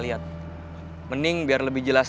lebih baik untuk lebih jelas